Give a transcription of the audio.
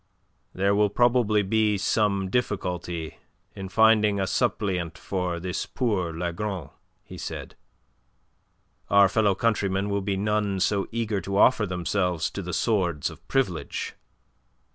"There will probably be some difficulty in finding a suppleant for this poor Lagron," he said. "Our fellow countrymen will be none so eager to offer themselves to the swords of Privilege."